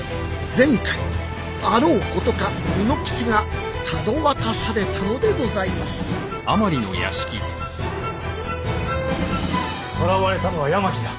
前回あろうことか卯之吉がかどわかされたのでございますとらわれたのは八巻じゃ。